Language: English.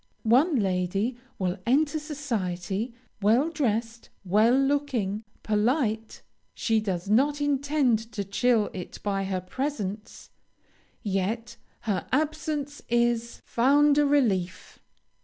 One lady will enter society, well dressed, well looking, polite; she does not intend to chill it by her presence; yet her absence is found a relief.